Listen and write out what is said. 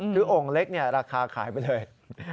คือโอ่งเล็กเนี่ยราคาขายไปเลย